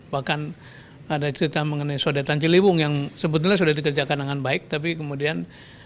bahkan ada cerita mengenai sodetan ciliwung yang sebetulnya sudah dikerjakan dengan pembangunan